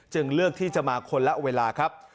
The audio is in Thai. เลือกที่จะมาคนละเวลาครับ